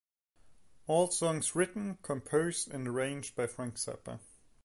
All songs written, composed and arranged by Frank Zappa.